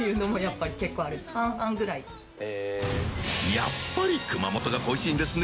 やっぱり熊本が恋しいんですね